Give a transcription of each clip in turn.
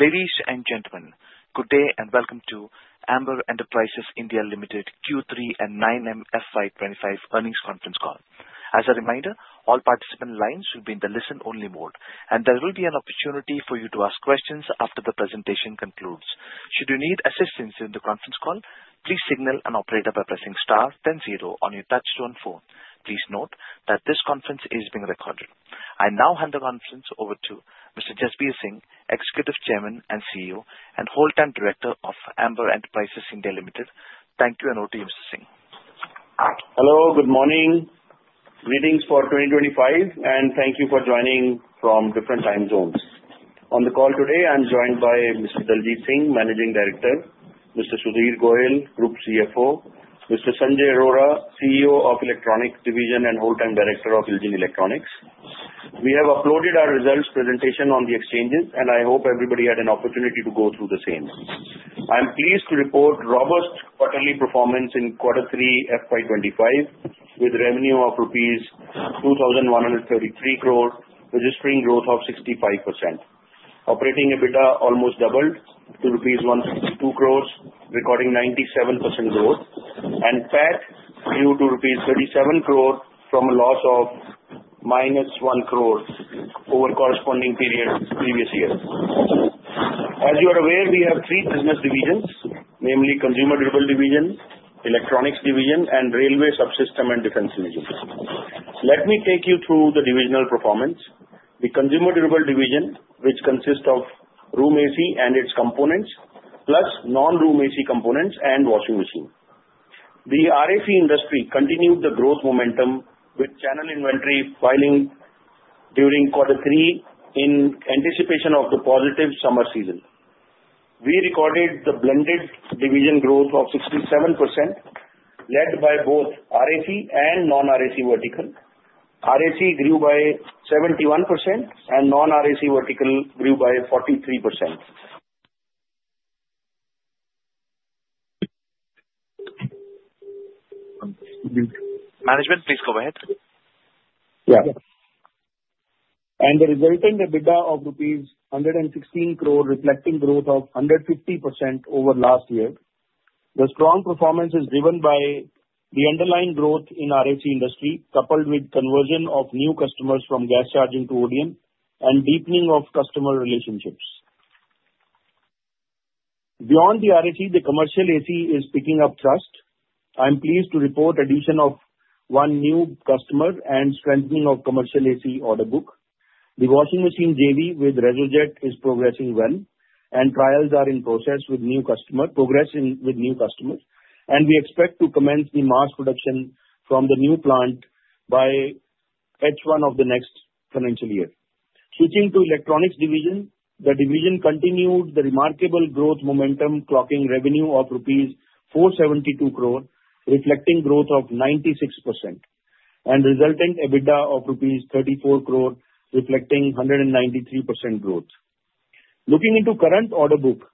Ladies and gentlemen, good day, and welcome to Amber Enterprises India Limited Q3 and 9MFY25 earnings conference call. As a reminder, all participant lines will be in the listen-only mode, and there will be an opportunity for you to ask questions after the presentation concludes. Should you need assistance during the conference call, please signal an operator by pressing star 100 on your touch-tone phone. Please note that this conference is being recorded. I now hand the conference over to Mr. Jasbir Singh, Executive Chairman, CEO, and Whole Time Director of Amber Enterprises India Limited. Thank you, and over to you, Mr. Singh. Hello, good morning. Greetings for 2025, and thank you for joining from different time zones. On the call today, I'm joined by Mr. Daljit Singh, Managing Director, Mr. Sudhir Gohil, Group CFO, Mr. Sanjay Arora, CEO of Electronics Division and Whole Time Director of Iljin Electronics. We have uploaded our results presentation on the exchanges, and I hope everybody had an opportunity to go through the same. I'm pleased to report robust quarterly performance in Q3 FY25, with revenue of ₹2,133 crore, registering growth of 65%. Operating EBITDA almost doubled to ₹162 crore, recording 97% growth, and PAT grew to ₹37 crore from a loss of minus 1 crore over corresponding period previous year. As you are aware, we have three business divisions, namely Consumer Durable Division, Electronics Division, and Railway Subsystem and Defense Division. Let me take you through the divisional performance. The Consumer Durable Division, which consists of room AC and its components, plus non-room AC components and washing machine. The RAC industry continued the growth momentum with channel inventory filing during Q3 in anticipation of the positive summer season. We recorded the blended division growth of 67%, led by both RAC and non-RAC vertical. RAC grew by 71%, and non-RAC vertical grew by 43%. Management, please go ahead. Yeah. And the resultant EBITDA of rupees 116 crore, reflecting growth of 150% over last year, the strong performance is driven by the underlying growth in RAC industry, coupled with conversion of new customers from gas charging to ODM and deepening of customer relationships. Beyond the RAC, the commercial AC is picking up traction. I'm pleased to report the addition of one new customer and strengthening of commercial AC order book. The washing machine JV with Resojet is progressing well, and trials are in progress with new customers, and we expect to commence the mass production from the new plant by H1 of the next financial year. Switching to Electronics Division, the division continued the remarkable growth momentum, clocking revenue of rupees 472 crore, reflecting growth of 96%, and resultant EBITDA of rupees 34 crore, reflecting 193% growth. Looking into current order book,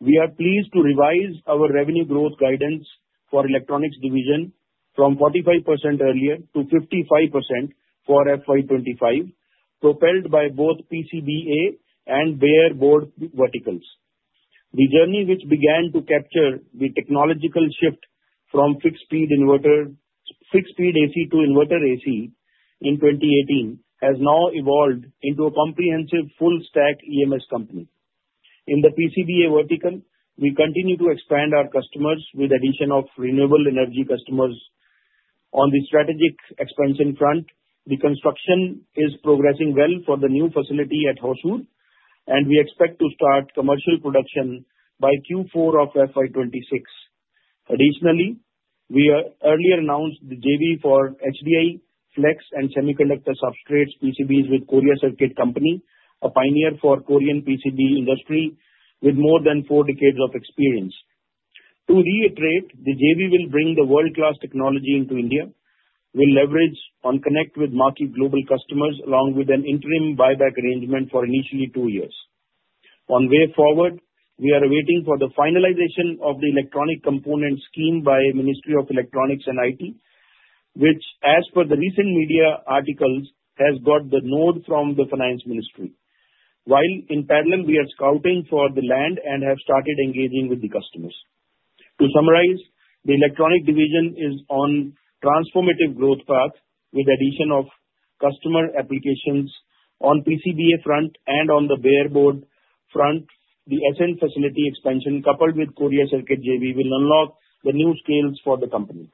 we are pleased to revise our revenue growth guidance for Electronics Division from 45% earlier to 55% for FY25, propelled by both PCBA and Bare Board verticals. The journey which began to capture the technological shift from fixed-speed to inverter AC in 2018 has now evolved into a comprehensive full-stack EMS company. In the PCBA vertical, we continue to expand our customers with the addition of renewable energy customers. On the strategic expansion front, the construction is progressing well for the new facility at Hosur, and we expect to start commercial production by Q4 of FY26. Additionally, we earlier announced the JV for HDI Flex and semiconductor substrate PCBs with Korea Circuit Company, a pioneer for Korean PCB industry with more than four decades of experience. To reiterate, the JV will bring the world-class technology into India, will leverage and connect with marquee global customers along with an interim buyback arrangement for initially two years. On the way forward, we are awaiting the finalization of the electronic component scheme by the Ministry of Electronics and IT, which, as per the recent media articles, has got the note from the Finance Ministry. While in parallel, we are scouting for the land and have started engaging with the customers. To summarize, the Electronics Division is on a transformative growth path with the addition of customer applications on the PCBA front and on the Bare Board front. The Ascent facility expansion, coupled with Korea Circuit JV, will unlock the new skills for the company.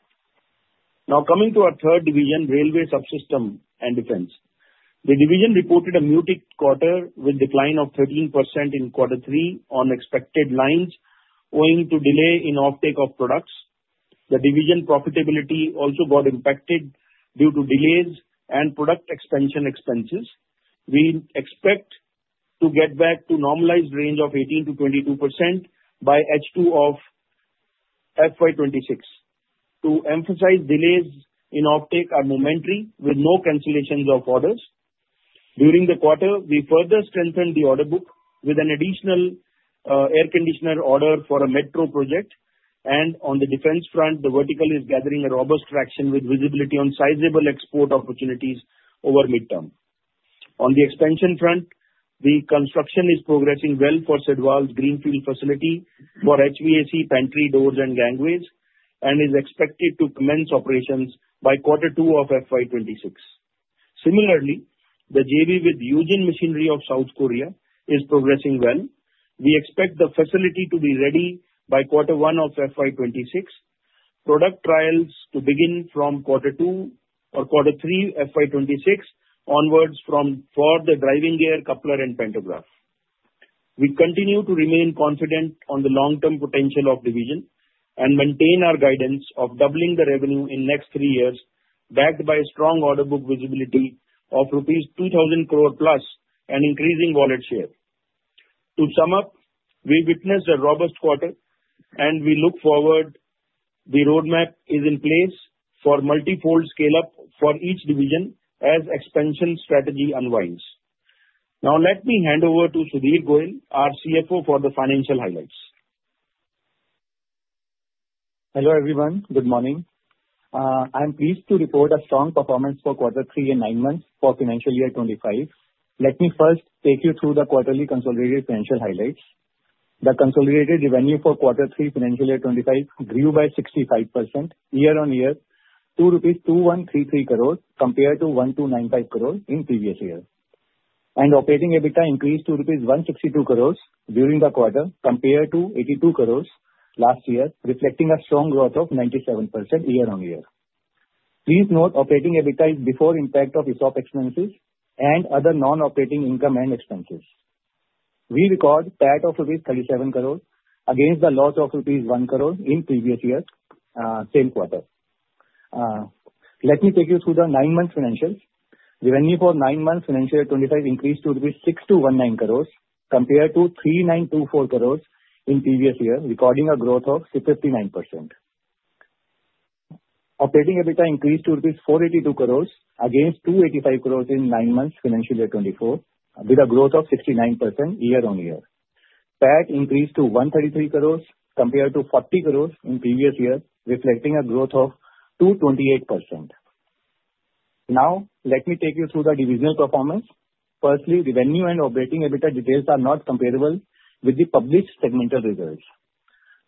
Now coming to our third division, Railway Subsystems and Defense. The division reported a muted quarter with a decline of 13% in Q3 on expected lines owing to delay in offtake of products. The division profitability also got impacted due to delays and product expansion expenses. We expect to get back to a normalized range of 18%-22% by H2 of FY26. To emphasize, delays in offtake are momentary with no cancellations of orders. During the quarter, we further strengthened the order book with an additional air conditioner order for a metro project, and on the defense front, the vertical is gathering a robust traction with visibility on sizable export opportunities over midterm. On the expansion front, the construction is progressing well for Sidwal Greenfield facility for HVAC pantry doors and gangways and is expected to commence operations by Q2 of FY26. Similarly, the JV with Yujin Machinery of South Korea is progressing well. We expect the facility to be ready by Q1 of FY26. Product trials to begin from Q2 or Q3 FY26 onwards for the driving gear coupler and pantograph. We continue to remain confident on the long-term potential of the division and maintain our guidance of doubling the revenue in the next three years, backed by strong order book visibility of rupees 2,000 crore plus and increasing wallet share. To sum up, we witnessed a robust quarter, and we look forward. The roadmap is in place for multi-fold scale-up for each division as the expansion strategy unwinds. Now let me hand over to Sudhir Gohil, our CFO, for the financial highlights. Hello everyone. Good morning. I'm pleased to report a strong performance for Q3 and 9M for financial year 2025. Let me first take you through the quarterly consolidated financial highlights. The consolidated revenue for Q3 financial year 2025 grew by 65% year on year, rupees 2,133 crore compared to 1,295 crore in the previous year. And operating EBITDA increased to rupees 162 crore during the quarter compared to 82 crore last year, reflecting a strong growth of 97% year-on-year. Please note operating EBITDA is before the impact of ESOP expenses and other non-operating income and expenses. We recorded PAT of rupees 37 crore against the loss of rupees 1 crore in the previous year, same quarter. Let me take you through the 9M financials. Revenue for 9M financial year 2025 increased to rupees 6,219 crore compared to 3,924 crore in the previous year, recording a growth of 59%. Operating EBITDA increased to INR 482 crore against INR 285 crore in 9M financial year 2024, with a growth of 69% year-on-year. PAT increased to 133 crore compared to 40 crore in the previous year, reflecting a growth of 228%. Now let me take you through the divisional performance. Firstly, revenue and operating EBITDA details are not comparable with the published segmental results.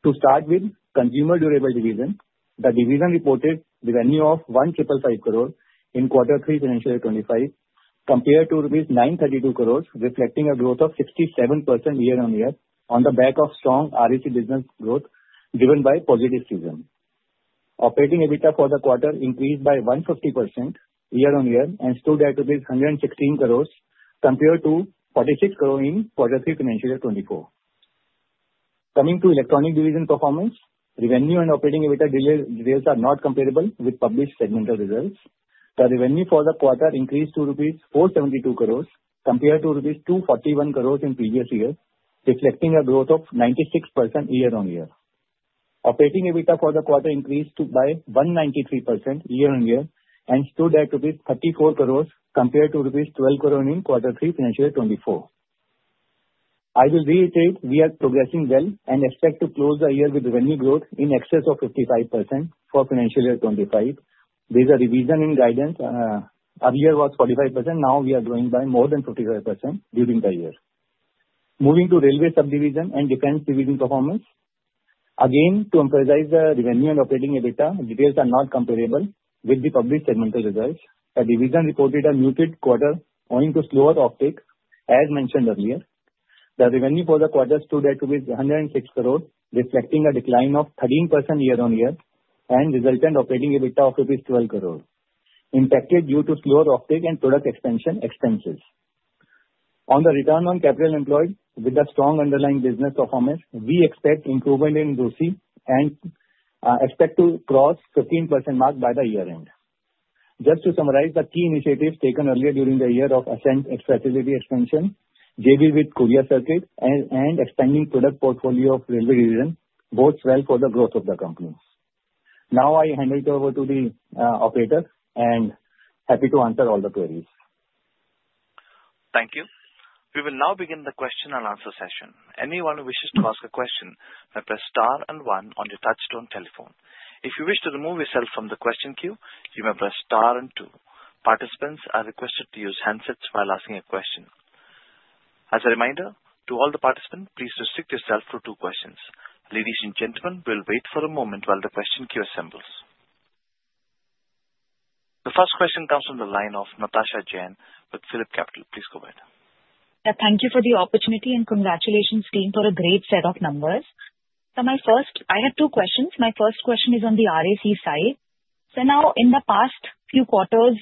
To start with, Consumer Durable Division, the division reported revenue of 1555 crore in Q3 financial year 2025 compared to rupees 932 crore, reflecting a growth of 67% year on year on the back of strong RAC business growth driven by the positive season. Operating EBITDA for the quarter increased by 150% year on year and stood at 116 crore compared to 46 crore in Q3 financial year 2024. Coming to Electronic Division performance, revenue and operating EBITDA details are not comparable with the published segmental results. The revenue for the quarter increased to ₹472 crore compared to ₹241 crore in the previous year, reflecting a growth of 96% year on year. Operating EBITDA for the quarter increased by 193% year on year and stood at ₹34 crore compared to ₹12 crore in Q3 financial year 2024. I will reiterate, we are progressing well and expect to close the year with revenue growth in excess of 55% for financial year 2025. There is a revision in guidance. Earlier it was 45%; now we are growing by more than 55% during the year. Moving to Railway Subsystems and Defense Division performance, again to emphasize the revenue and operating EBITDA details are not comparable with the published segmental results. The division reported a muted quarter owing to slower offtake, as mentioned earlier. The revenue for the quarter stood at rupees 106 crore, reflecting a decline of 13% year on year, and resultant operating EBITDA of rupees 12 crore, impacted due to slower offtake and product expansion expenses. On the return on capital employed, with the strong underlying business performance, we expect improvement in ROCE and expect to cross the 15% mark by the year-end. Just to summarize the key initiatives taken earlier during the year of Ascent facility expansion, JV with Korea Circuit, and expanding the product portfolio of Railway Division bodes well for the growth of the company. Now I hand it over to the operator, and happy to answer all the queries. Thank you. We will now begin the question and answer session. Anyone who wishes to ask a question may press star and one on your touch-tone telephone. If you wish to remove yourself from the question queue, you may press star and two. Participants are requested to use handsets while asking a question. As a reminder to all the participants, please restrict yourself to two questions. Ladies and gentlemen, we'll wait for a moment while the question queue assembles. The first question comes from the line of Natasha Jain with PhillipCapital. Please go ahead. Thank you for the opportunity and congratulations, team, for a great set of numbers. So my first, I have two questions. My first question is on the RAC side. So now, in the past few quarters,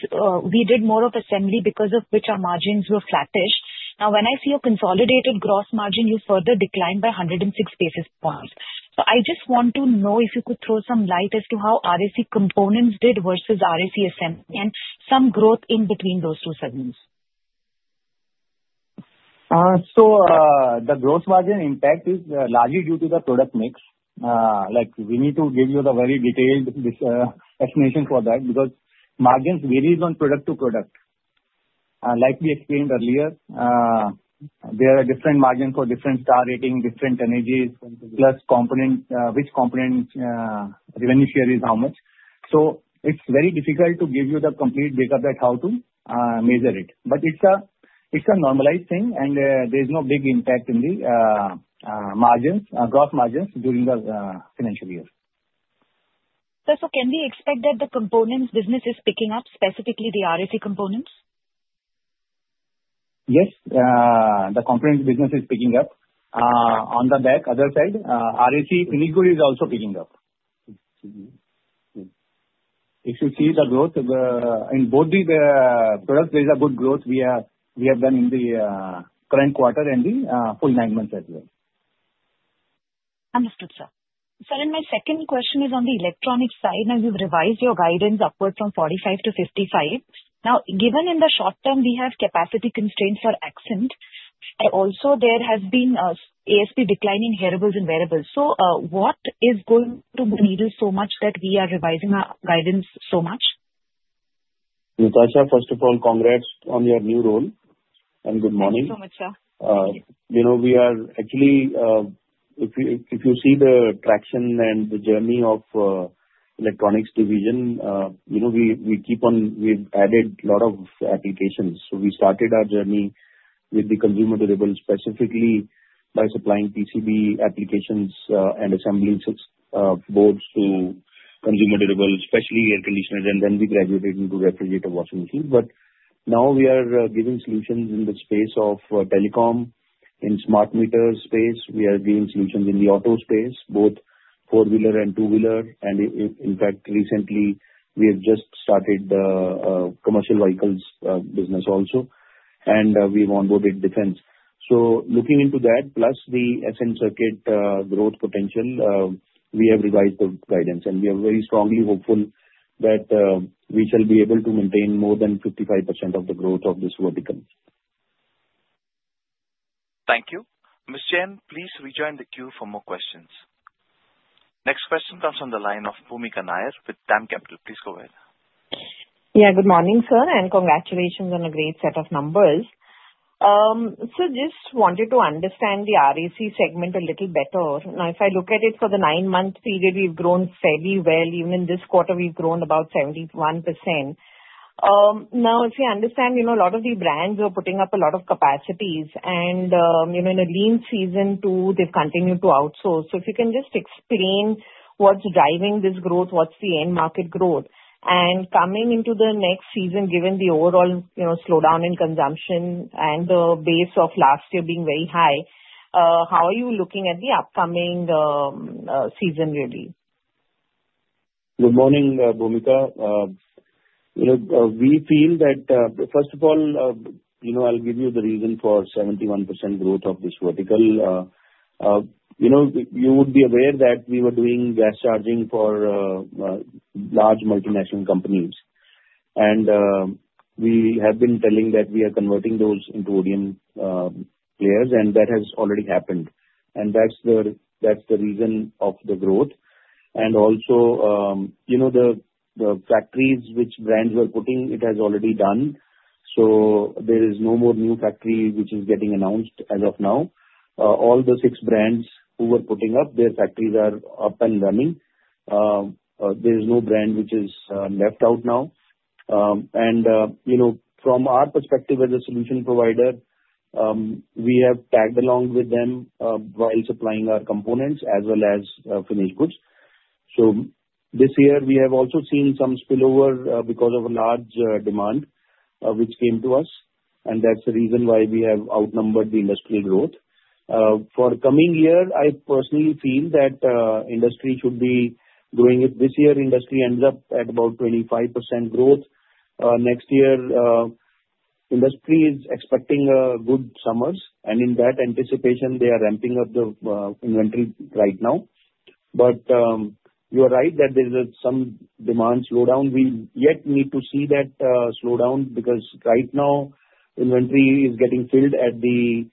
we did more of assembly because of which our margins were flatish. Now, when I see a consolidated gross margin, which further declined by 106 basis points. So I just want to know if you could throw some light as to how RAC components did versus RAC assembly and some growth in between those two segments. So the gross margin impact is largely due to the product mix. We need to give you the very detailed explanation for that because margins vary from product to product. Like we explained earlier, there are different margins for different star rating, different energies plus component, which component revenue share is how much. So it's very difficult to give you the complete breakup that how to measure it. But it's a normalized thing, and there's no big impact in the margins, gross margins during the financial year. Can we expect that the components business is picking up, specifically the RAC components? Yes, the components business is picking up. On the other side, RAC finished goods is also picking up. If you see the growth in both the products, there's a good growth we have done in the current quarter and the full 9M as well. Understood, sir. So then my second question is on the electronics side. Now, we've revised your guidance upward from 45% to 55%. Now, given in the short term, we have capacity constraints for Ascent. Also, there has been an ASP decline in mobiles and wearables. So what is going to enable so much that we are revising our guidance so much? Natasha, first of all, congrats on your new role, and good morning. Thank you so much, sir. You know, we are actually, if you see the traction and the journey of the Electronics Division, you know we keep on, we've added a lot of applications. So we started our journey with the consumer durable, specifically by supplying PCB applications and assembling boards to consumer durable, especially air conditioners, and then we graduated into refrigerator washing machines. But now we are giving solutions in the space of telecom in smart meter space. We are giving solutions in the auto space, both four-wheeler and two-wheeler. And in fact, recently, we have just started the commercial vehicles business also, and we've onboarded defense. So looking into that, plus the Ascent Circuits growth potential, we have revised the guidance, and we are very strongly hopeful that we shall be able to maintain more than 55% of the growth of this vertical. Thank you. Ms. Jain, please rejoin the queue for more questions. Next question comes from the line of Bhoomika Nair with DAM Capital. Please go ahead. Yeah, good morning, sir, and congratulations on a great set of numbers. So just wanted to understand the RAC segment a little better. Now, if I look at it for the 9M period, we've grown fairly well. Even in this quarter, we've grown about 71%. Now, if you understand, you know a lot of the brands are putting up a lot of capacities, and you know in a lean season too, they've continued to outsource. So if you can just explain what's driving this growth, what's the end market growth, and coming into the next season, given the overall slowdown in consumption and the base of last year being very high, how are you looking at the upcoming season, really? Good morning, Bhoomika. We feel that, first of all, you know I'll give you the reason for 71% growth of this vertical. You know you would be aware that we were doing gas charging for large multinational companies, and we have been telling that we are converting those into ODM players, and that has already happened. And that's the reason of the growth. And also, you know the factories which brands were putting, it has already done. So there is no more new factory which is getting announced as of now. All the six brands who were putting up, their factories are up and running. There is no brand which is left out now. And you know from our perspective as a solution provider, we have tagged along with them while supplying our components as well as finished goods. So this year, we have also seen some spillover because of large demand which came to us, and that's the reason why we have outnumbered the industrial growth. For coming year, I personally feel that industry should be doing it. This year, industry ended up at about 25% growth. Next year, industry is expecting good summers, and in that anticipation, they are ramping up the inventory right now. But you are right that there is some demand slowdown. We yet need to see that slowdown because right now, inventory is getting filled at the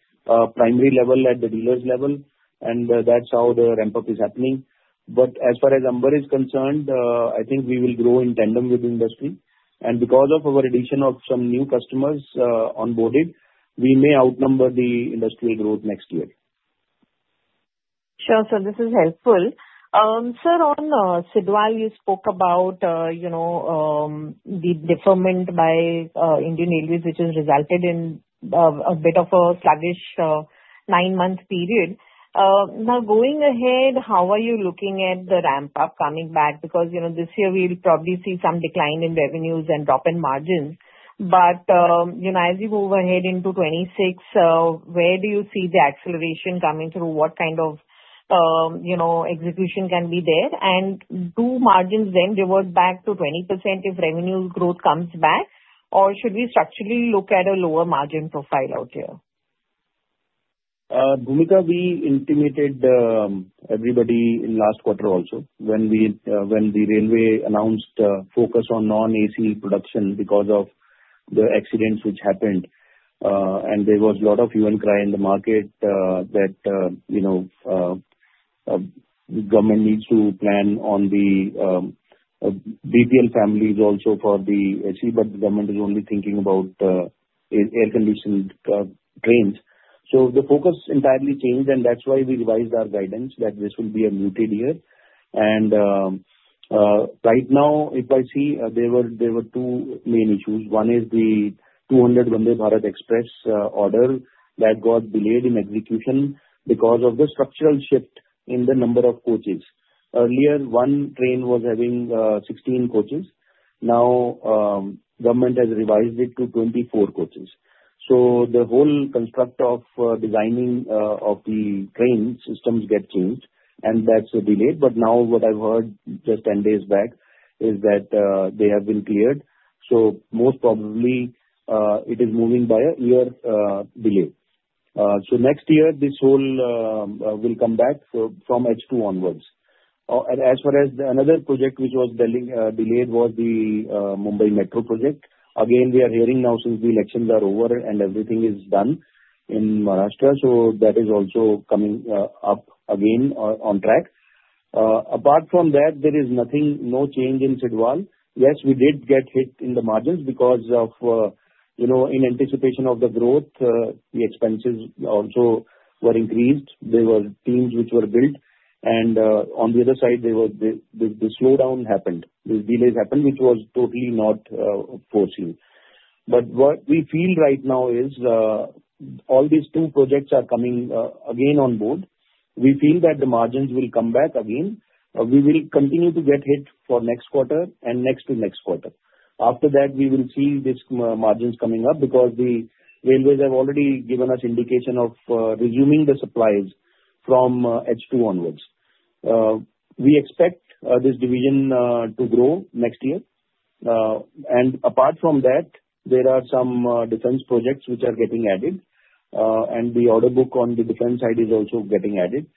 primary level, at the dealer's level, and that's how the ramp-up is happening. But as far as Amber is concerned, I think we will grow in tandem with the industry. And because of our addition of some new customers onboarded, we may outnumber the industrial growth next year. Sure. So this is helpful. Sir, on Sidwal, you spoke about the deferment by Indian Railways, which has resulted in a bit of a sluggish 9M period. Now, going ahead, how are you looking at the ramp-up coming back? Because this year, we'll probably see some decline in revenues and drop in margins. But as you move ahead into 26, where do you see the acceleration coming through? What kind of execution can be there? And do margins then revert back to 20% if revenue growth comes back, or should we structurally look at a lower margin profile out here? Bhoomika, we intimated everybody in last quarter also when the railway announced focus on non-AC production because of the accidents which happened. There was a lot of hue and cry in the market that the government needs to plan on the BPL families also for the AC, but the government is only thinking about air-conditioned trains. The focus entirely changed, and that's why we revised our guidance that this will be a muted year. Right now, if I see, there were two main issues. One is the 200 Vande Bharat Express order that got delayed in execution because of the structural shift in the number of coaches. Earlier, one train was having 16 coaches. Now, government has revised it to 24 coaches. The whole construct of designing of the train systems gets changed, and that's delayed. But now, what I've heard just 10 days back is that they have been cleared. So most probably, it is moving by a year delay. So next year, this whole will come back from H2 onwards. As far as another project which was delayed was the Mumbai Metro project. Again, we are hearing now since the elections are over and everything is done in Maharashtra. So that is also coming up again on track. Apart from that, there is nothing, no change in Sidwal. Yes, we did get hit in the margins because of, you know, in anticipation of the growth, the expenses also were increased. There were teams which were built, and on the other side, the slowdown happened. The delays happened, which was totally not foreseen. But what we feel right now is all these two projects are coming again on board. We feel that the margins will come back again. We will continue to get hit for next quarter and next to next quarter. After that, we will see these margins coming up because the railways have already given us indication of resuming the supplies from H2 onwards. We expect this division to grow next year. And apart from that, there are some defense projects which are getting added, and the order book on the defense side is also getting added.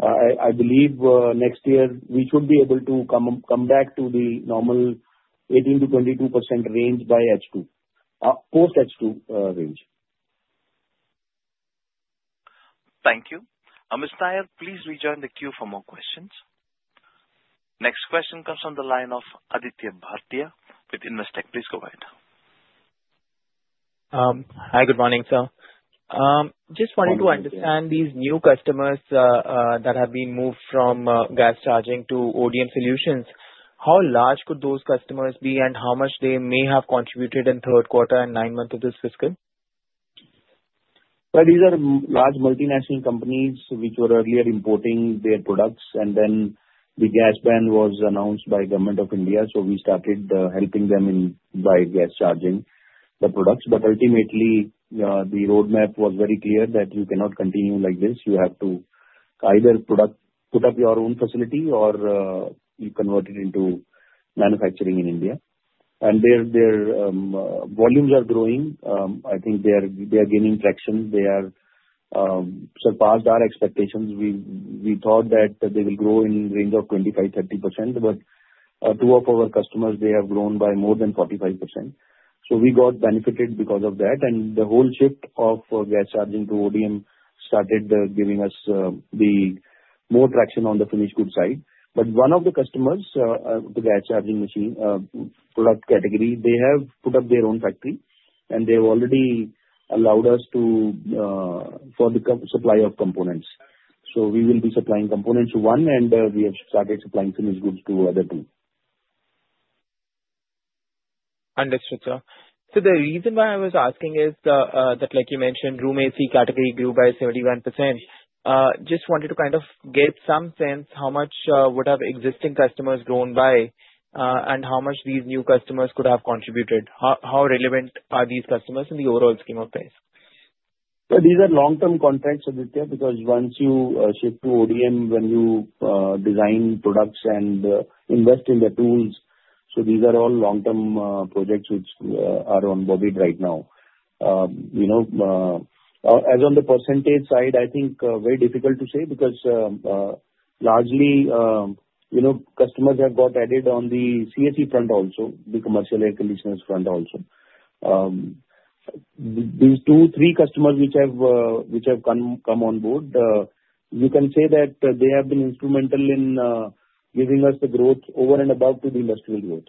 I believe next year, we should be able to come back to the normal 18%-22% range by H2, post-H2 range. Thank you. Mr. Nair, please rejoin the queue for more questions. Next question comes from the line of Aditya Bhartiya with Investec. Please go ahead. Hi, good morning, sir. Just wanted to understand these new customers that have been moved from gas charging to ODM solutions, how large could those customers be and how much they may have contributed in third quarter and 9M of this fiscal? These are large multinational companies which were earlier importing their products, and then the gas ban was announced by Government of India. So we started helping them by gas charging the products. But ultimately, the roadmap was very clear that you cannot continue like this. You have to either put up your own facility or you convert it into manufacturing in India. And their volumes are growing. I think they are gaining traction. They have surpassed our expectations. We thought that they will grow in the range of 25%-30%, but two of our customers, they have grown by more than 45%. So we got benefited because of that, and the whole shift of gas charging to ODM started giving us more traction on the finished good side. But one of the customers, the gas charging machine product category, they have put up their own factory, and they have already allowed us for the supply of components. So we will be supplying components to one, and we have started supplying finished goods to other two. Understood, sir. So the reason why I was asking is that, like you mentioned, room AC category grew by 71%. Just wanted to kind of get some sense how much would have existing customers grown by and how much these new customers could have contributed. How relevant are these customers in the overall scheme of things? These are long-term contracts, Aditya, because once you shift to ODM, when you design products and invest in the tools, so these are all long-term projects which are on board right now. You know, as on the percentage side, I think very difficult to say because largely, you know, customers have got added on the EMS front also, the commercial air conditioners front also. These two, three customers which have come on board, you can say that they have been instrumental in giving us the growth over and above to the industrial growth.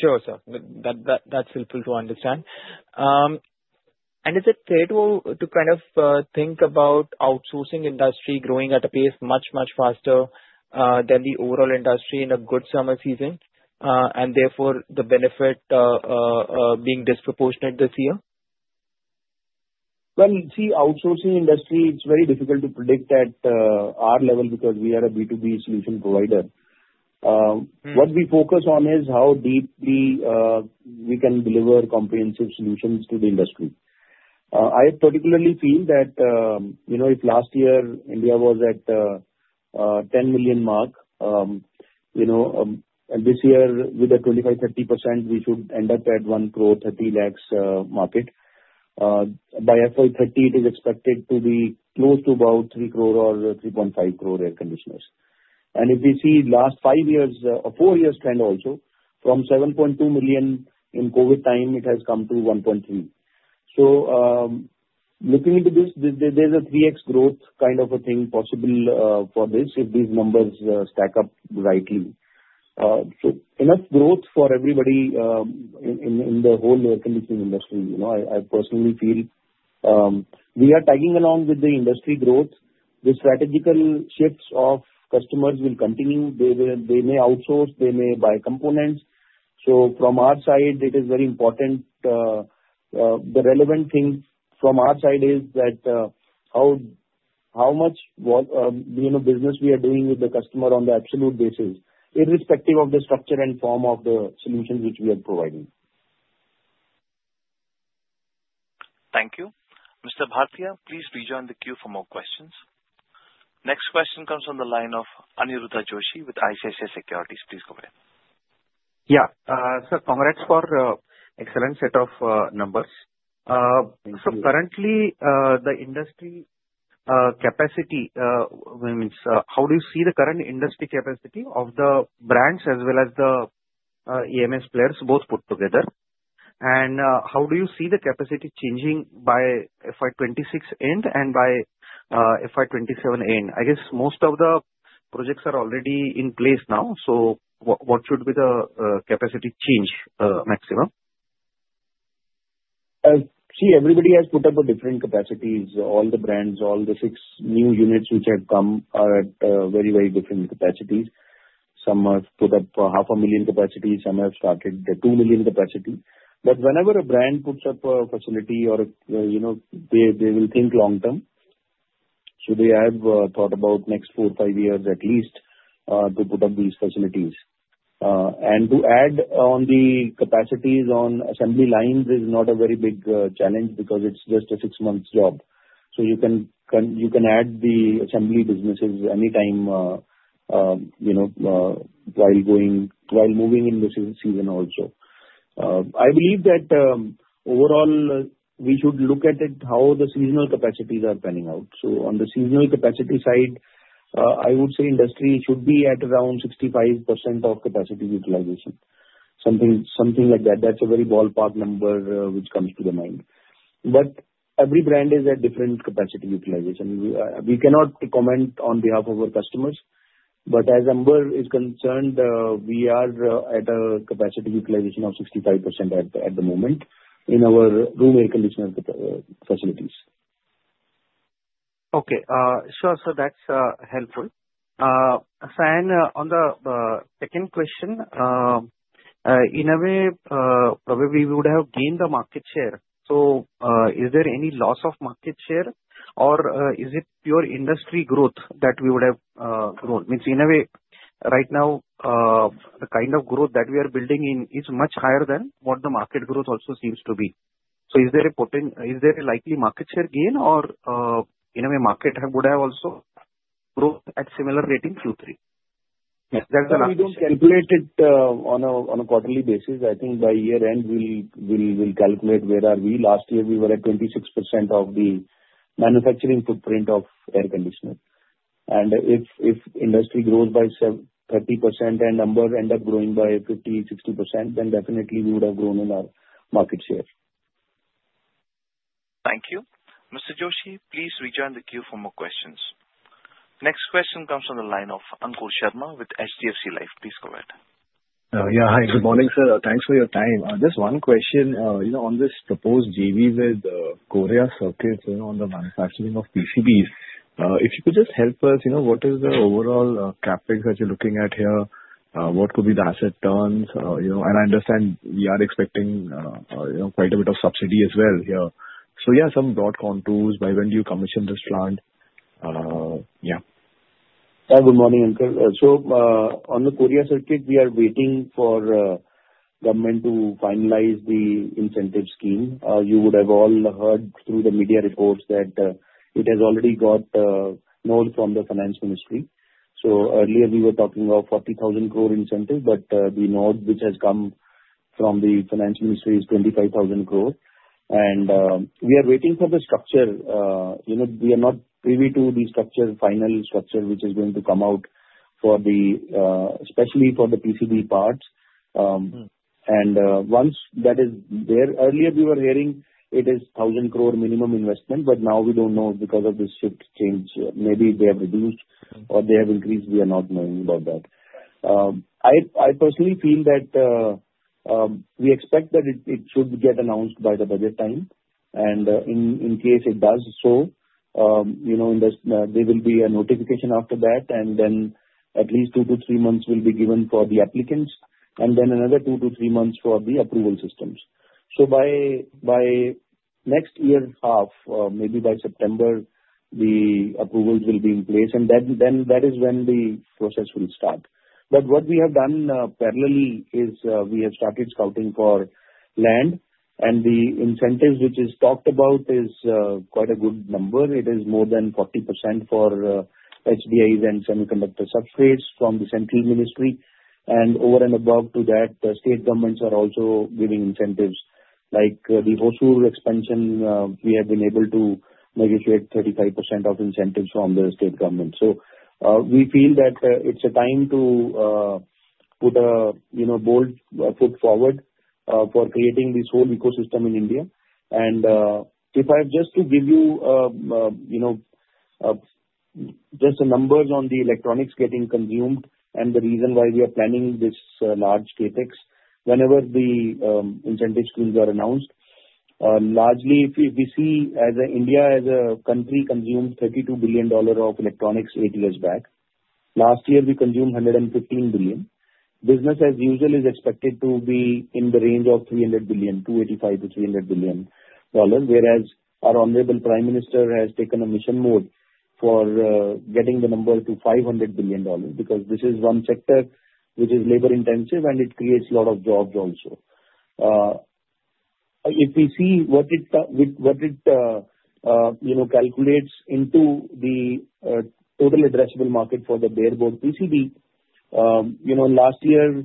Sure, sir. That's helpful to understand. And is it fair to kind of think about outsourcing industry growing at a pace much, much faster than the overall industry in a good summer season, and therefore the benefit being disproportionate this year? See, outsourcing industry, it's very difficult to predict at our level because we are a B2B solution provider. What we focus on is how deeply we can deliver comprehensive solutions to the industry. I particularly feel that, you know, if last year India was at 10 million mark, you know, and this year with a 25%-30%, we should end up at 1 crore, 30 lakhs market. By FY30, it is expected to be close to about 3 crore or 3.5 crore air conditioners. And if we see last five years or four years trend also, from 7.2 million in COVID time, it has come to 1.3. So looking into this, there's a 3X growth kind of a thing possible for this if these numbers stack up rightly. So enough growth for everybody in the whole air conditioning industry. You know, I personally feel we are tagging along with the industry growth. The strategic shifts of customers will continue. They may outsource. They may buy components. So from our side, it is very important. The relevant thing from our side is that how much business we are doing with the customer on the absolute basis, irrespective of the structure and form of the solutions which we are providing. Thank you. Mr. Bhartiya, please rejoin the queue for more questions. Next question comes from the line of Aniruddha Joshi with ICICI Securities. Please go ahead. Yeah. Sir, congrats for an excellent set of numbers. So currently, the industry capacity, how do you see the current industry capacity of the brands as well as the EMS players both put together? And how do you see the capacity changing by FY26 end and by FY27 end? I guess most of the projects are already in place now. So what should be the capacity change maximum? See, everybody has put up different capacities. All the brands, all the six new units which have come are at very, very different capacities. Some have put up 500,000 capacity. Some have started the 2 million capacity, but whenever a brand puts up a facility or, you know, they will think long term, so they have thought about next four, five years at least to put up these facilities, and to add on the capacities on assembly lines is not a very big challenge because it's just a six-month job, so you can add the assembly businesses anytime, you know, while moving in the season also. I believe that overall, we should look at how the seasonal capacities are panning out, so on the seasonal capacity side, I would say industry should be at around 65% of capacity utilization, something like that. That's a very ballpark number which comes to the mind. But every brand is at different capacity utilization. We cannot comment on behalf of our customers. But as Amber is concerned, we are at a capacity utilization of 65% at the moment in our room air conditioner facilities. Okay. Sure. So that's helpful. Say, on the second question, in a way, probably we would have gained the market share. So is there any loss of market share, or is it pure industry growth that we would have grown? In a way, right now, the kind of growth that we are building in is much higher than what the market growth also seems to be. So is there a likely market share gain, or in a way, market would have also grown at similar rate in Q3? We don't calculate it on a quarterly basis. I think by year end, we'll calculate where are we. Last year, we were at 26% of the manufacturing footprint of air conditioners. And if industry grows by 30% and Amber ends up growing by 50%-60%, then definitely we would have grown in our market share. Thank you. Mr. Joshi, please rejoin the queue for more questions. Next question comes from the line of Ankur Sharma with HDFC Life. Please go ahead. Yeah. Hi, good morning, sir. Thanks for your time. Just one question. On this proposed JV with Korea Circuit on the manufacturing of PCBs, if you could just help us, what is the overall CapEx that you're looking at here? What could be the asset turns? And I understand we are expecting quite a bit of subsidy as well here. So yeah, some broad contours by when do you commission this plant? Yeah. Yeah. Good morning, Ankur. So on the Korea Circuit, we are waiting for government to finalize the incentive scheme. You would have all heard through the media reports that it has already got note from the Finance Ministry. So earlier, we were talking of 40,000 crore incentive, but the note which has come from the Finance Ministry is 25,000 crore. And we are waiting for the structure. We are not privy to the structure, final structure, which is going to come out, especially for the PCB parts. And once that is there, earlier we were hearing it is 1,000 crore minimum investment, but now we don't know because of this shift change. Maybe they have reduced or they have increased. We are not knowing about that. I personally feel that we expect that it should get announced by the budget time. And in case it does so, there will be a notification after that, and then at least two to three months will be given for the applicants, and then another two to three months for the approval systems. So by next year's half, maybe by September, the approvals will be in place, and then that is when the process will start. But what we have done parallelly is we have started scouting for land, and the incentives which is talked about is quite a good number. It is more than 40% for HDAs and semiconductor substrates from the Central Ministry. And over and above to that, the state governments are also giving incentives. Like the Hosur expansion, we have been able to negotiate 35% of incentives from the state government. So we feel that it's a time to put a bold foot forward for creating this whole ecosystem in India. And if I have just to give you just the numbers on the electronics getting consumed and the reason why we are planning this large CapEx, whenever the incentive schemes are announced, largely we see as India as a country consumed $32 billion of electronics eight years back. Last year, we consumed $115 billion. Business as usual is expected to be in the range of $285-$300 billion, whereas our honorable Prime Minister has taken a mission mode for getting the number to $500 billion because this is one sector which is labor-intensive, and it creates a lot of jobs also. If we see what it calculates into the total addressable market for the bare board PCB, last year,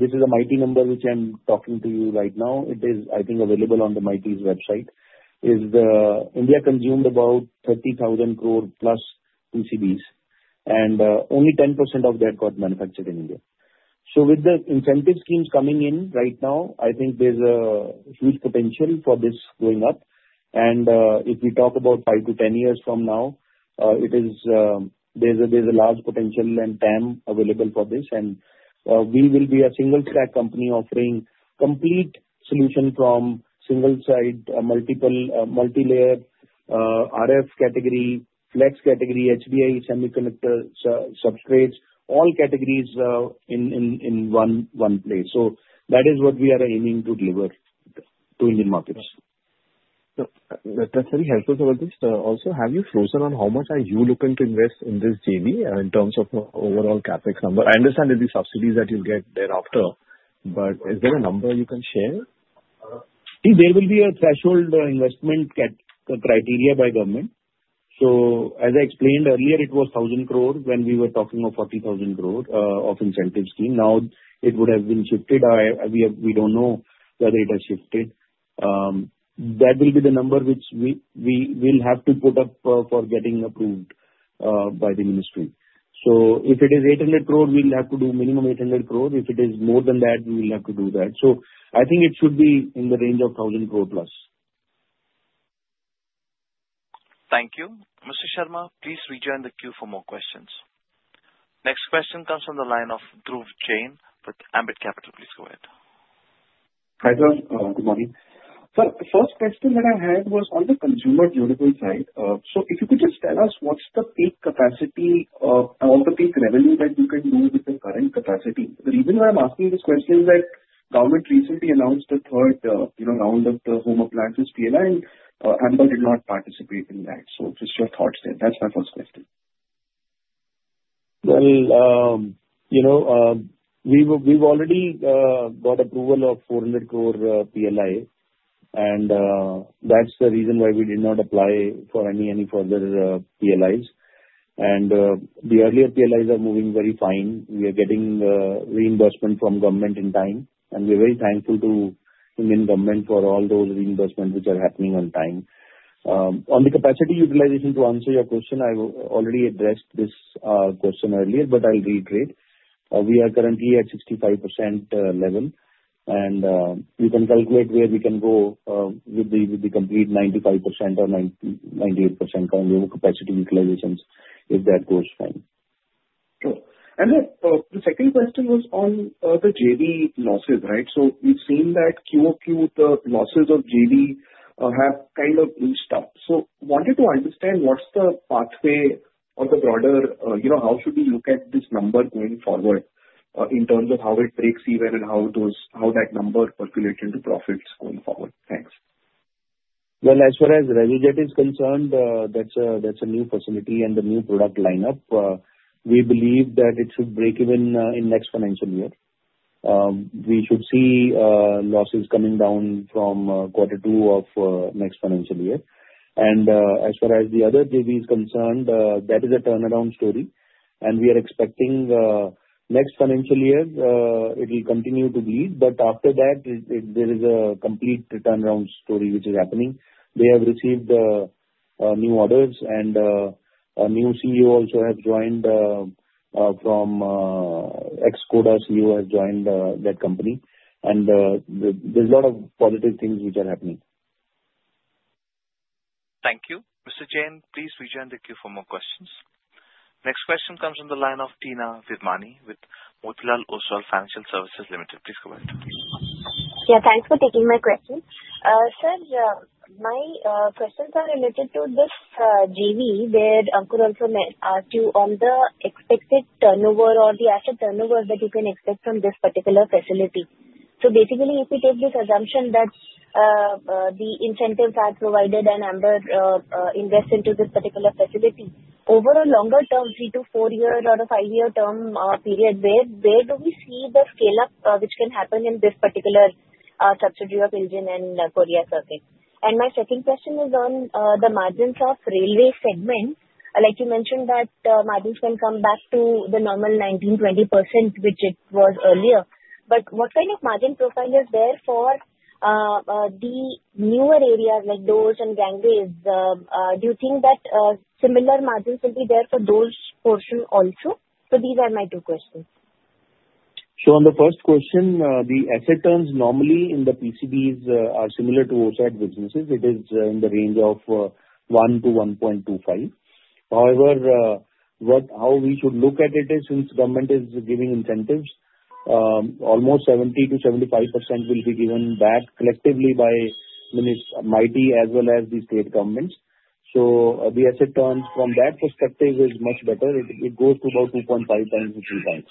this is a mighty number which I'm talking to you right now. It is, I think, available on the MeitY's website. India consumed about 30,000 crore plus PCBs, and only 10% of that got manufactured in India. So with the incentive schemes coming in right now, I think there's a huge potential for this going up. If we talk about 5-10 years from now, there's a large potential and time available for this. We will be a single-track company offering complete solution from single-side, multi-layer, RF category, flex category, HDI semiconductor substrates, all categories in one place. So that is what we are aiming to deliver to Indian markets. That's very helpful to know this. Also, have you chosen on how much are you looking to invest in this JV in terms of overall CapEx number? I understand there will be subsidies that you'll get thereafter, but is there a number you can share? There will be a threshold investment criteria by government. So as I explained earlier, it was 1,000 crore when we were talking of 40,000 crore of incentive scheme. Now it would have been shifted. We don't know whether it has shifted. That will be the number which we will have to put up for getting approved by the ministry. So if it is 800 crore, we'll have to do minimum 800 crore. If it is more than that, we will have to do that. So I think it should be in the range of 1,000 crore plus. Thank you. Mr. Sharma, please rejoin the queue for more questions. Next question comes from the line of Dhruv Jain with Ambit Capital. Please go ahead. Hi sir. Good morning. Sir, the first question that I had was on the consumer durable side. So if you could just tell us what's the peak capacity or the peak revenue that you can do with the current capacity? The reason why I'm asking this question is that the government recently announced the third round of the home appliances PLI, and Amber did not participate in that. So just your thoughts there. That's my first question. Well, you know, we've already got approval of 400 crore PLI, and that's the reason why we did not apply for any further PLIs. And the earlier PLIs are moving very fine. We are getting reimbursement from government in time, and we're very thankful to Indian government for all those reimbursements which are happening on time. On the capacity utilization, to answer your question, I already addressed this question earlier, but I'll reiterate. We are currently at 65% level, and we can calculate where we can go with the complete 95% or 98% capacity utilizations if that goes fine. Sure, and the second question was on the JV losses, right, so we've seen that QOQ, the losses of JV have kind of eased up, so I wanted to understand what's the pathway or the broader, how should we look at this number going forward in terms of how it breaks even and how that number percolates into profits going forward? Thanks. As far as Resojet is concerned, that's a new facility and a new product lineup. We believe that it should break even in next financial year. We should see losses coming down from quarter two of next financial year. As far as the other JV is concerned, that is a turnaround story. We are expecting next financial year, it will continue to bleed. After that, there is a complete turnaround story which is happening. They have received new orders, and a new CEO also has joined from Ex. Coda. CEO has joined that company. There's a lot of positive things which are happening. Thank you. Mr. Jain, please rejoin the queue for more questions. Next question comes from the line of Teena Virmani with Motilal Oswal Financial Services Limited. Please go ahead. Yeah. Thanks for taking my question. Sir, my questions are related to this JV where Ankur also asked you on the expected turnover or the asset turnover that you can expect from this particular facility. So basically, if we take this assumption that the incentives are provided and Amber invests into this particular facility, over a longer term, three- to four-year or a five-year term period, where do we see the scale-up which can happen in this particular subsidiary of Iljin and Korea Circuit? And my second question is on the margins of railway segment. Like you mentioned that margins can come back to the normal 19%-20% which it was earlier. But what kind of margin profile is there for the newer areas like those and gangways? Do you think that similar margins will be there for those portions also? So these are my two questions. On the first question, the asset turns normally in the PCBs are similar to OSAT businesses. It is in the range of 1-1.25. However, how we should look at it is since government is giving incentives, almost 70%-75% will be given back collectively by MeitY as well as the state governments. So the asset turns from that perspective is much better. It goes to about 2.5-3 times.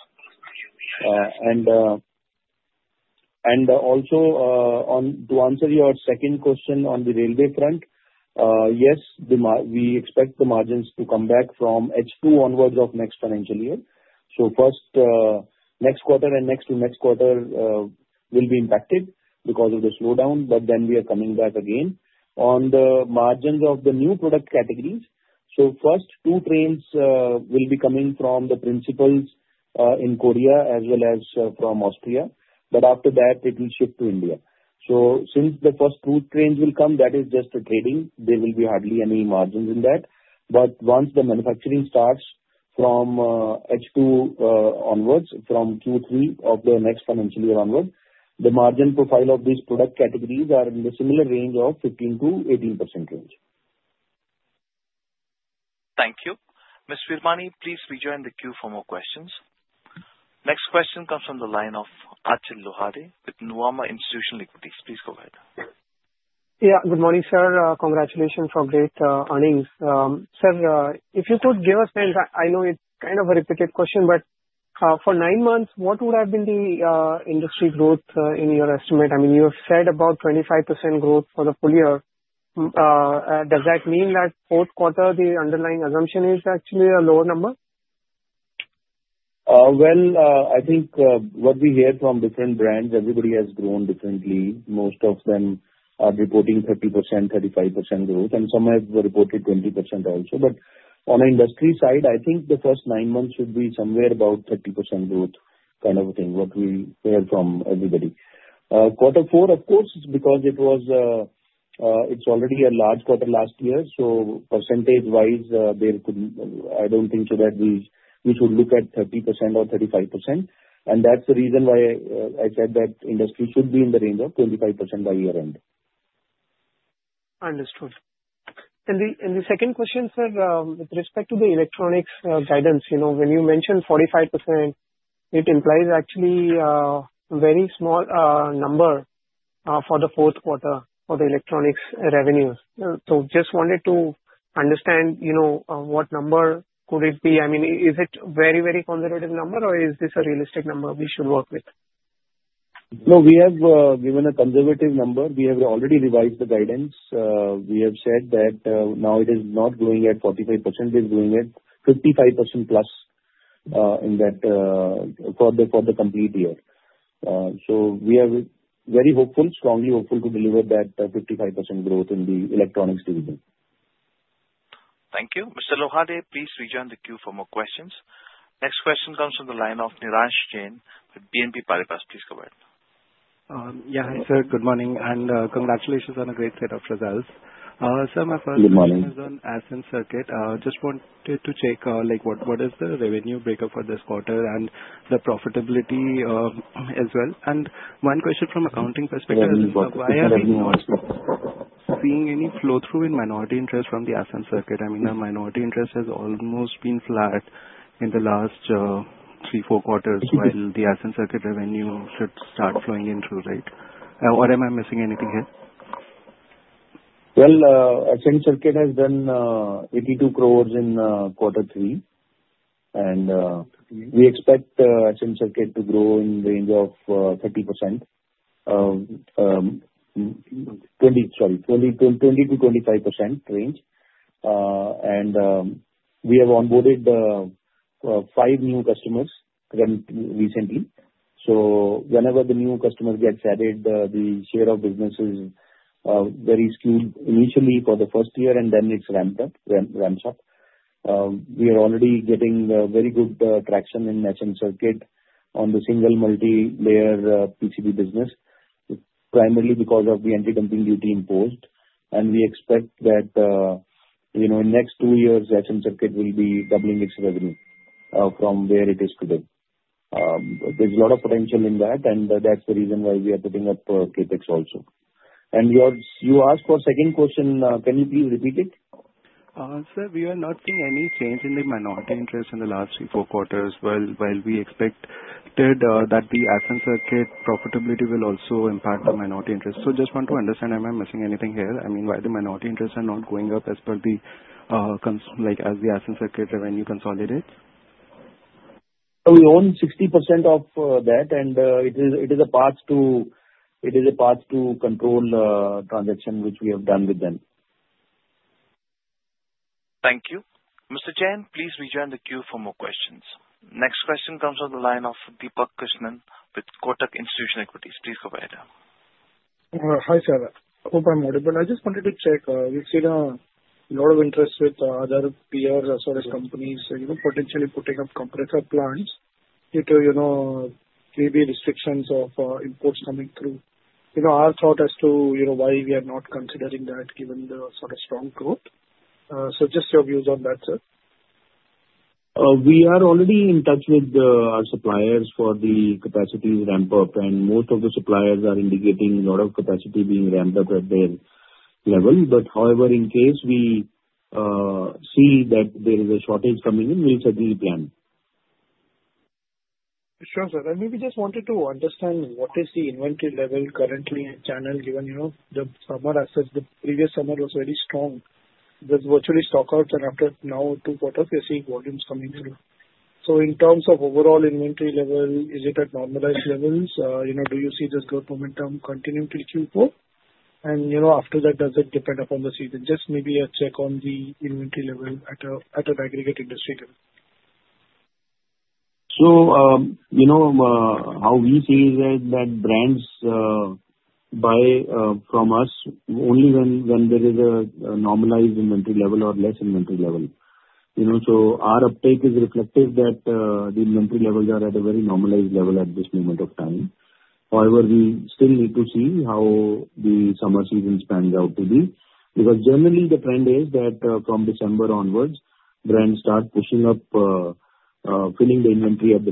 And also, to answer your second question on the railway front, yes, we expect the margins to come back from H2 onwards of next financial year. So next quarter and next to next quarter will be impacted because of the slowdown, but then we are coming back again. On the margins of the new product categories, so first two trains will be coming from the principals in Korea as well as from Austria. But after that, it will shift to India. So since the first two trains will come, that is just trading. There will be hardly any margins in that. But once the manufacturing starts from H2 onwards, from Q3 of the next financial year onward, the margin profile of these product categories are in the similar range of 15%-18% range. Thank you. Teena Virmani, please rejoin the queue for more questions. Next question comes from the line of Achal Lohade with Nuvama Institutional Equities. Please go ahead. Yeah. Good morning, sir. Congratulations for great earnings. Sir, if you could give us, I know it's kind of a repetitive question, but for nine months, what would have been the industry growth in your estimate? I mean, you have said about 25% growth for the full year. Does that mean that fourth quarter, the underlying assumption is actually a lower number? I think what we hear from different brands, everybody has grown differently. Most of them are reporting 30%, 35% growth, and some have reported 20% also. But on the industry side, I think the first nine months should be somewhere about 30% growth kind of a thing, what we hear from everybody. Quarter four, of course, because it's already a large quarter last year. So percentage-wise, I don't think that we should look at 30% or 35%. And that's the reason why I said that industry should be in the range of 25% by year-end. Understood, and the second question, sir, with respect to the electronics guidance, when you mentioned 45%, it implies actually a very small number for the fourth quarter for the electronics revenues. So just wanted to understand what number could it be? I mean, is it a very, very conservative number, or is this a realistic number we should work with? No, we have given a conservative number. We have already revised the guidance. We have said that now it is not growing at 45%. It's growing at 55% plus for the complete year. So we are very hopeful, strongly hopeful to deliver that 55% growth in the electronics division. Thank you. Mr. Lohade, please rejoin the queue for more questions. Next question comes from the line of Niransh Jain with BNP Paribas. Please go ahead. Yeah. Hi, sir. Good morning. And congratulations on a great set of results. Sir, my first question is on Ascent Circuits. Just wanted to check what is the revenue breakup for this quarter and the profitability as well. And one question from an accounting perspective is, why are we seeing any flow-through in minority interest from the Ascent Circuits? I mean, the minority interest has almost been flat in the last three, four quarters, while the Ascent Circuits revenue should start flowing in through, right? Or am I missing anything here? Well, Ascent Circuits has done 82 crores in quarter three, and we expect Ascent Circuits to grow in the range of 30%, sorry, 20%-25% range. And we have onboarded five new customers recently. So whenever the new customers get added, the share of business is very skewed initially for the first year, and then it ramps up. We are already getting very good traction in Ascent Circuits on the single multi-layer PCB business, primarily because of the anti-dumping duty imposed. And we expect that in the next two years, Ascent Circuits will be doubling its revenue from where it is today. There's a lot of potential in that, and that's the reason why we are putting up CapEx also. And you asked for a second question. Can you please repeat it? Sir, we are not seeing any change in the minority interest in the last three, four quarters, while we expected that the Ascent Circuits profitability will also impact the minority interest. So I just want to understand, am I missing anything here? I mean, why the minority interests are not going up as the Ascent Circuits revenue consolidates? We own 60% of that, and it is a path to control transaction which we have done with them. Thank you. Mr. Jain, please rejoin the queue for more questions. Next question comes from the line of Deepak Krishnan with Kotak Institutional Equities. Please go ahead. Hi, sir. Hope I'm audible. I just wanted to check. We've seen a lot of interest with other peers as well as companies potentially putting up compressor plants due to maybe restrictions of imports coming through. Our thought as to why we are not considering that given the sort of strong growth. So just your views on that, sir? We are already in touch with our suppliers for the capacity ramp-up, and most of the suppliers are indicating a lot of capacity being ramped up at their level. But however, in case we see that there is a shortage coming in, we'll certainly plan. Sure, sir. I mean, we just wanted to understand what is the inventory level currently in channel given the summer assets. The previous summer was very strong with virtually stockouts, and after now, two quarters, we're seeing volumes coming through. So in terms of overall inventory level, is it at normalized levels? Do you see this growth momentum continuing to Q4? And after that, does it depend upon the season? Just maybe a check on the inventory level at an aggregate industry level. So how we see is that brands buy from us only when there is a normalized inventory level or less inventory level. So our uptake is reflective that the inventory levels are at a very normalized level at this moment of time. However, we still need to see how the summer season pans out to be. Because generally, the trend is that from December onwards, brands start pushing up, filling the inventory at the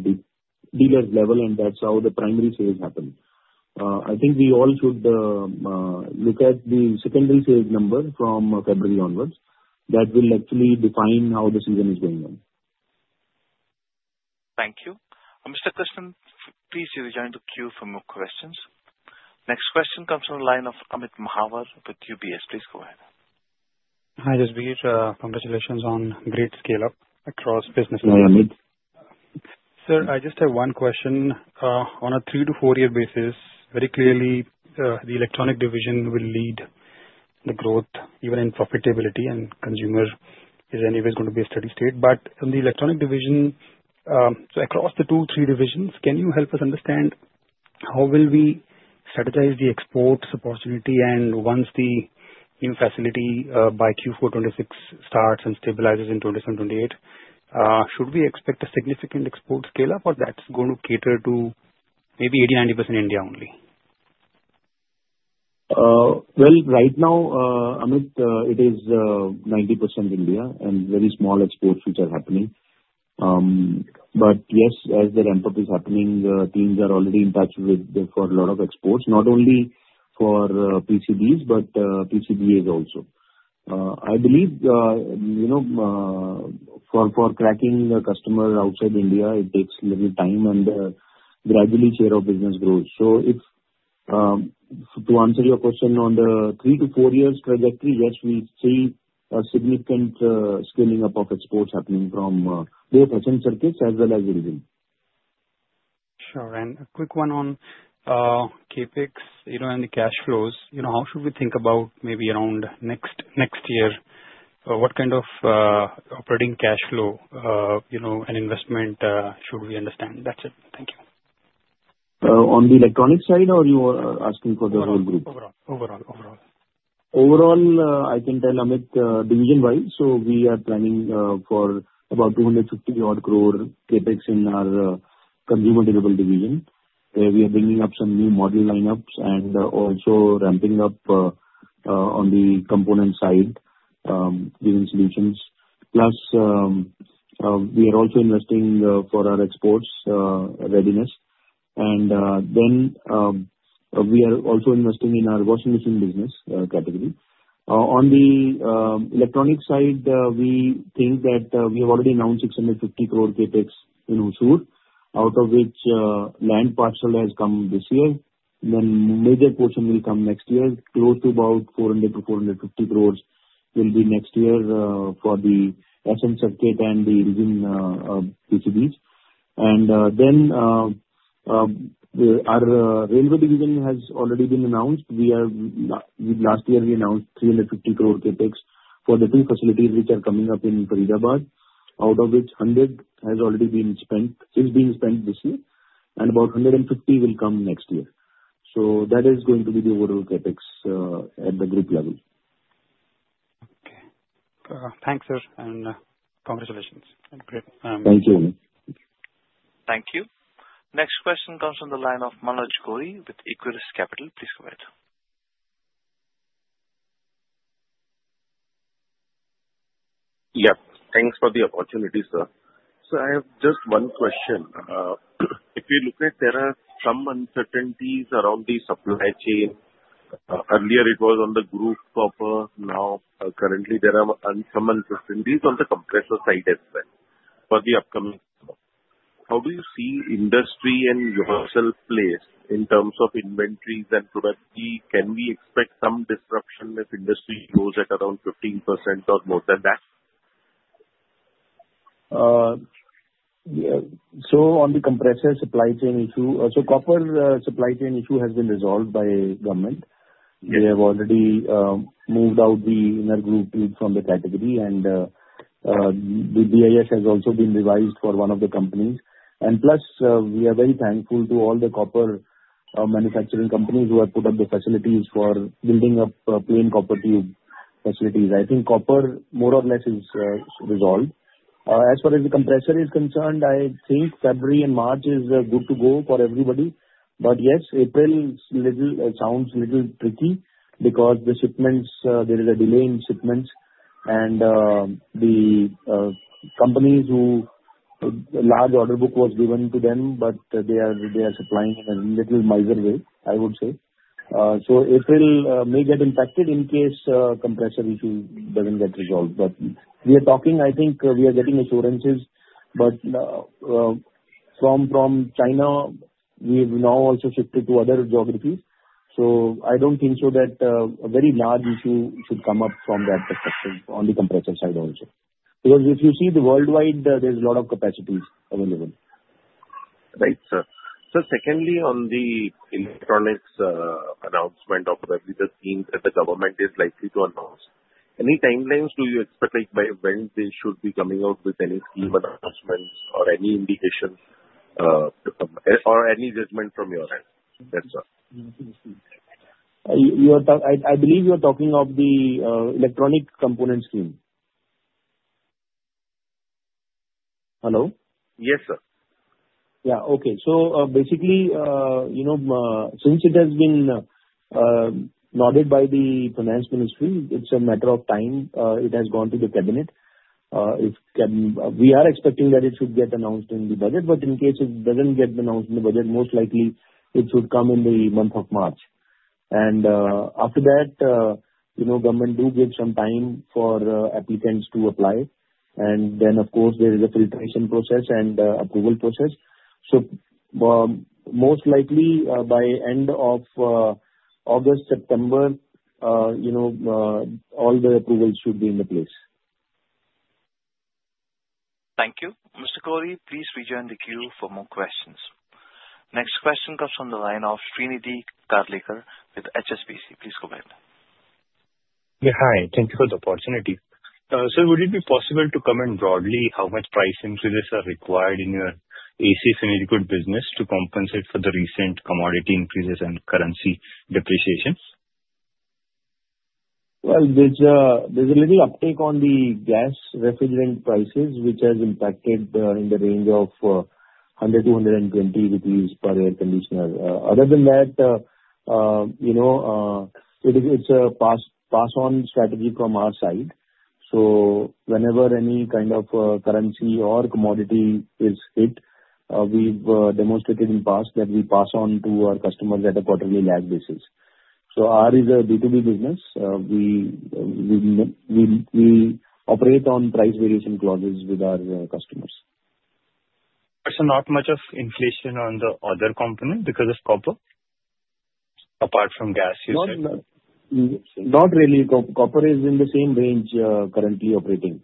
dealer's level, and that's how the primary sales happen. I think we all should look at the secondary sales number from February onwards. That will actually define how the season is going on. Thank you. Mr. Krishnan, please rejoin the queue for more questions. Next question comes from the line of Amit Mahawar with UBS. Please go ahead. Hi, Jasbir. Congratulations on great scale-up across business. Hi, Amit. Sir, I just have one question. On a three to four-year basis, very clearly, the electronic division will lead the growth, even in profitability, and consumer is anyways going to be a steady state. But in the electronic division, so across the two, three divisions, can you help us understand how will we strategize the exports opportunity? And once the new facility by Q4 2026 starts and stabilizes in 2027, 2028, should we expect a significant export scale-up, or that's going to cater to maybe 80%-90% India only? Right now, Amit, it is 90% India and very small exports which are happening. But yes, as the ramp-up is happening, teams are already in touch with for a lot of exports, not only for PCBs, but PCBs also. I believe for cracking the customer outside India, it takes a little time and gradually share of business growth. So to answer your question on the three to four years trajectory, yes, we see a significant scaling up of exports happening from both Ascent Circuits as well as the region. Sure. And a quick one on CapEx and the cash flows. How should we think about maybe around next year? What kind of operating cash flow and investment should we understand? That's it. Thank you. On the electronic side, or you are asking for the whole group? Overall. Overall, I can tell Amit, division-wise, so we are planning for about 250-odd crore CapEx in our consumer durables division, where we are bringing up some new model lineups and also ramping up on the component side giving solutions. Plus, we are also investing for our exports readiness. We are also investing in our washing machine business category. On the electronic side, we think that we have already announced 650 crore CapEx in Hosur, out of which land parcel has come this year. A major portion will come next year. Close to about 400-450 crores will be next year for the Ascent Circuits and the Iljin PCBs. Our railway division has already been announced. Last year, we announced 350 crore CapEx for the two facilities which are coming up in Faridabad, out of which 100 has already been spent, is being spent this year, and about 150 will come next year, so that is going to be the overall CapEx at the group level. Okay. Thanks, sir, and congratulations. Thank you. Thank you. Next question comes from the line of Manoj Gori with Equirus Capital. Please go ahead. Yep. Thanks for the opportunity, sir. So I have just one question. If you look at, there are some uncertainties around the supply chain. Earlier, it was on the grooved copper. Now, currently, there are some uncertainties on the compressor side as well for the upcoming stock. How do you see industry and yourself placed in terms of inventories and productivity? Can we expect some disruption if industry goes at around 15% or more than that? So on the compressor supply chain issue, so copper supply chain issue has been resolved by government. They have already moved out the inner grooved from the category, and the BIS has also been revised for one of the companies. And plus, we are very thankful to all the copper manufacturing companies who have put up the facilities for building up plain copper tube facilities. I think copper, more or less, is resolved. As far as the compressor is concerned, I think February and March is good to go for everybody. But yes, April sounds a little tricky because there is a delay in shipments, and the companies who large order book was given to them, but they are supplying in a little miserable way, I would say. So April may get impacted in case compressor issue doesn't get resolved. But we are talking, I think we are getting assurances, but from China, we have now also shifted to other geographies. So I don't think so that a very large issue should come up from that perspective on the compressor side also. Because if you see the worldwide, there's a lot of capacities available. Right, sir. So secondly, on the electronics announcement of the schemes that the government is likely to announce, any timelines do you expect by when they should be coming out with any scheme announcements or any indications or any judgment from your end? That's all. I believe you are talking of the electronic component scheme. Hello? Yes, sir. Yeah. Okay. So basically, since it has been nodded by the Ministry of Finance, it's a matter of time. It has gone to the Cabinet. We are expecting that it should get announced in the budget, but in case it doesn't get announced in the budget, most likely it should come in the month of March. And after that, Government does give some time for applicants to apply. And then, of course, there is a filtration process and approval process. So most likely by end of August, September, all the approvals should be in place. Thank you. Mr. Gori, please rejoin the queue for more questions. Next question comes from the line of Shrinidhi Karlekar with HSBC. Please go ahead. Yeah. Hi. Thank you for the opportunity. Sir, would it be possible to comment broadly how much price increases are required in your AC segment good business to compensate for the recent commodity increases and currency depreciation? There's a little uptick on the gas refrigerant prices, which has impacted in the range of 100-120 rupees per air conditioner. Other than that, it's a pass-on strategy from our side. Whenever any kind of currency or commodity is hit, we've demonstrated in the past that we pass on to our customers on a quarterly lag basis. Ours is a B2B business. We operate on price variation clauses with our customers. So not much of inflation on the other component because of copper? Apart from gas usage? Not really. Copper is in the same range currently operating.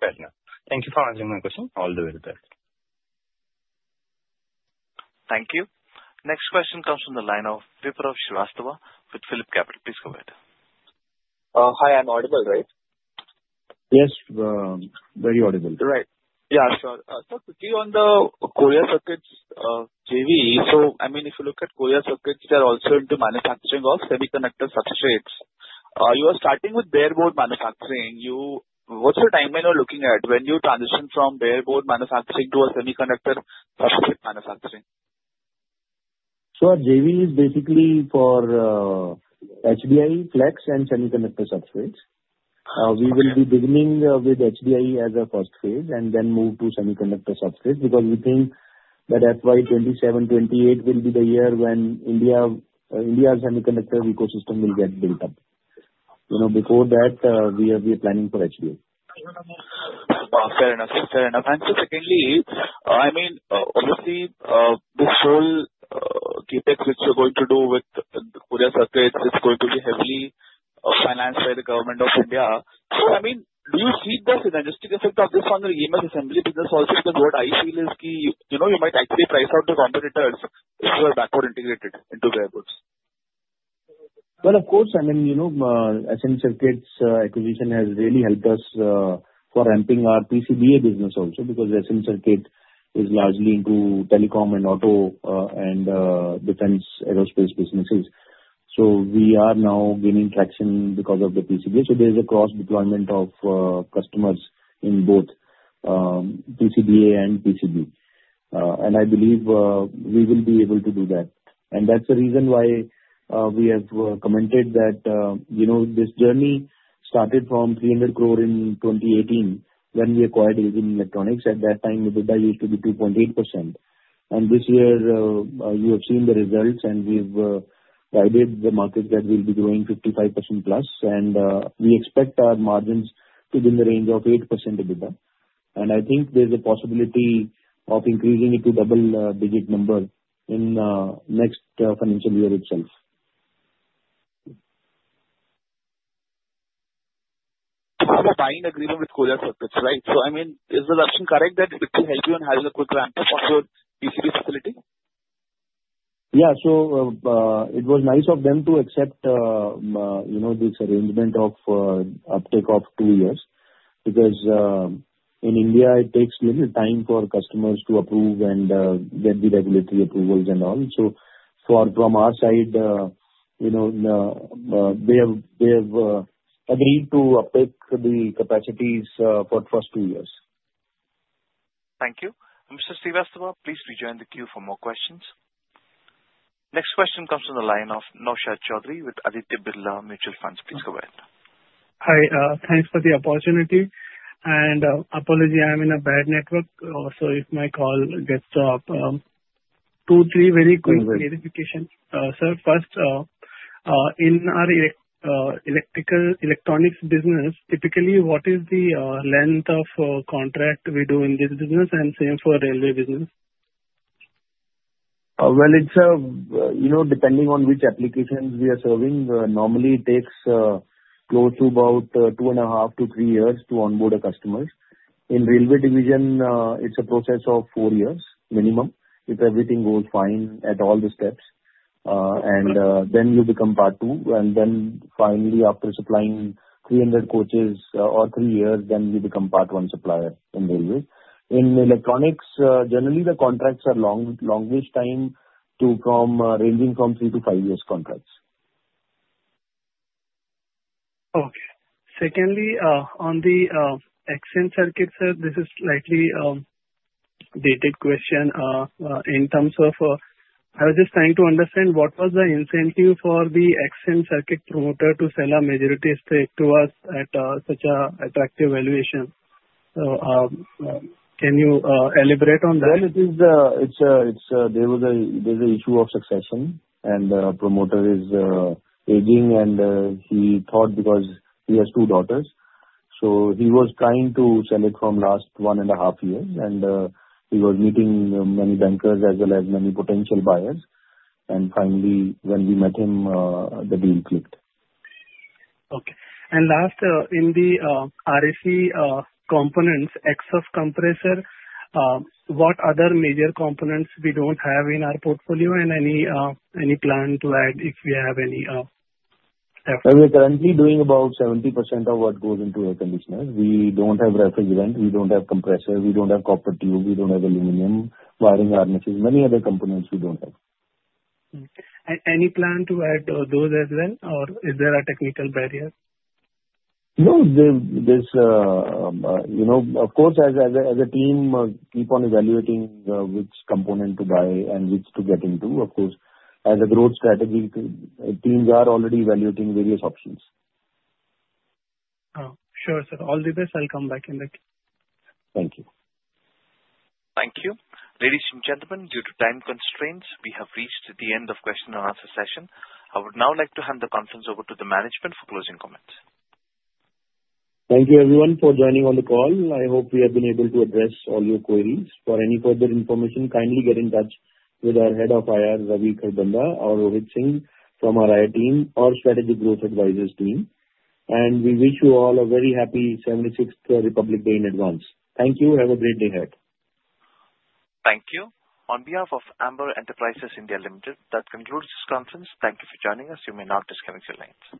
Fair enough. Thank you for answering my question. All the very best. Thank you. Next question comes from the line of Vipraw Srivastava with PhillipCapital. Please go ahead. Hi. I'm audible, right? Yes. Very audible. Right. Yeah, sure. So quickly on the Korea Circuit JV. So I mean, if you look at Korea Circuit, they are also into manufacturing of semiconductor substrates. You are starting with bare board manufacturing. What's the timeline you're looking at when you transition from bare board manufacturing to a semiconductor substrates manufacturing? So JV is basically for HDI Flex and semiconductor substrates. We will be beginning with HDI as a first phase and then move to semiconductor substrates because we think that FY 2027, 2028 will be the year when India's semiconductor ecosystem will get built up. Before that, we are planning for HDI. Wow. Fair enough. Fair enough. And so secondly, I mean, obviously, the whole CapEx which you're going to do with Korea Circuit, it's going to be heavily financed by the Government of India. So I mean, do you see the synergistic effect of this on the EMS assembly business also? Because what I feel is you might actually price out the competitors if you are backward integrated into their goods. Of course. I mean, Ascent Circuits acquisition has really helped us for ramping our PCBA business also because Ascent Circuits is largely into telecom and auto and defense aerospace businesses. So we are now gaining traction because of the PCBA. So there's a cross-deployment of customers in both PCBA and PCB. And I believe we will be able to do that. And that's the reason why we have commented that this journey started from 300 crore in 2018 when we required Elysium Electronics. At that time, EBITDA used to be 2.8%. And this year, you have seen the results, and we've guided the market that we'll be growing 55% plus. And we expect our margins to be in the range of 8% EBITDA. And I think there's a possibility of increasing it to double-digit numbers in the next financial year itself. Buying agreement with Korea Circuit, right? So I mean, is the assumption correct that it will help you and has a quick ramp-up on your PCB facility? Yeah. It was nice of them to accept this arrangement of uptake of two years because in India, it takes a little time for customers to approve and then the regulatory approvals and all. From our side, they have agreed to uptake the capacities for the first two years. Thank you. Mr. Srivastava, please rejoin the queue for more questions. Next question comes from the line of Naushad Chaudhary with Aditya Birla Mutual Fund. Please go ahead. Hi. Thanks for the opportunity. And apology, I'm in a bad network. So if my call gets dropped, two, three very quick verifications. Sir, first, in our electronics business, typically, what is the length of contract we do in this business and same for railway business? It's depending on which applications we are serving. Normally, it takes close to about two and a half to three years to onboard a customer. In railway division, it's a process of four years minimum if everything goes fine at all the steps, and then you become part two, and then finally, after supplying 300 coaches or three years, then you become part one supplier in railways. In electronics, generally, the contracts are longest time ranging from three to five years contracts. Okay. Secondly, on the Ascent Circuits, sir, this is slightly dated question. In terms of I was just trying to understand what was the incentive for the Ascent Circuits promoter to sell a majority stake to us at such an attractive valuation? Can you elaborate on that? There was an issue of succession, and the promoter is aging, and he thought because he has two daughters. He was trying to sell it from last one and a half years, and he was meeting many bankers as well as many potential buyers. Finally, when we met him, the deal clicked. Okay. And last, in the RAC components, except compressor, what other major components we don't have in our portfolio and any plan to add if we have any? We are currently doing about 70% of what goes into air conditioners. We don't have refrigerant. We don't have compressor. We don't have copper tube. We don't have aluminum wiring harnesses. Many other components we don't have. Any plan to add those as well, or is there a technical barrier? No. Of course, as a team, keep on evaluating which component to buy and which to get into, of course. As a growth strategy, teams are already evaluating various options. Sure, sir. All the best. I'll come back in the queue. Thank you. Thank you. Ladies and gentlemen, due to time constraints, we have reached the end of the question and answer session. I would now like to hand the conference over to the management for closing comments. Thank you, everyone, for joining on the call. I hope we have been able to address all your queries. For any further information, kindly get in touch with our head of IR, Ravi Kaul, or Rohit Singh from our IR team or Strategic Growth Advisors team, and we wish you all a very happy 76th Republic Day in advance. Thank you. Have a great day ahead. Thank you. On behalf of Amber Enterprises India Limited, that concludes this conference. Thank you for joining us. You may now disconnect your lines.